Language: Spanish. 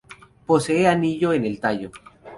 Posee anillo en el tallo.